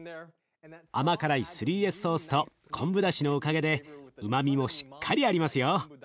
甘辛い３Ｓソースと昆布だしのおかげでうまみもしっかりありますよ。